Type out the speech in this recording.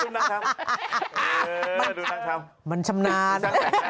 เออดูด้านทำมันชำนาญ